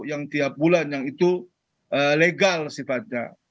yang tiap bulan yang itu legal sifatnya